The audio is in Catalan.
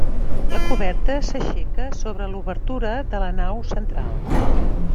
La coberta s'aixeca sobre l'obertura de la nau central.